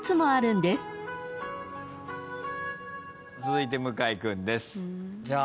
続いて向井君です。